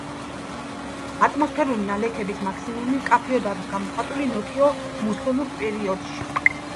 ატმოსფერული ნალექების მაქსიმუმი მკაფიოდ არის გამოხატული ნოტიო მუსონურ პერიოდში.